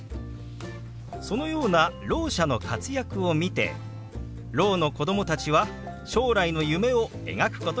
そのようなろう者の活躍を見てろうの子供たちは将来の夢を描くことができます。